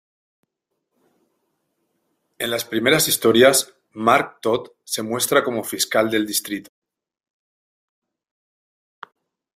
En las primeras historias, Mark Todd se muestra como fiscal del distrito.